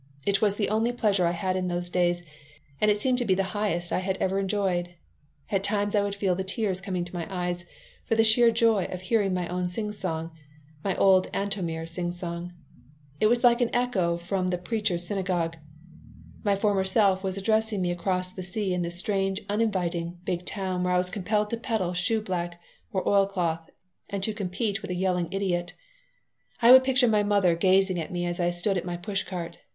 It was the only pleasure I had in those days, and it seemed to be the highest I had ever enjoyed. At times I would feel the tears coming to my eyes for the sheer joy of hearing my own singsong, my old Antomir singsong. It was like an echo from the Preacher's Synagogue. My former self was addressing me across the sea in this strange, uninviting, big town where I was compelled to peddle shoe black or oil cloth and to compete with a yelling idiot. I would picture my mother gazing at me as I stood at my push cart.